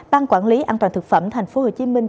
ban quản lý an toàn thực phẩm thành phố hồ chí minh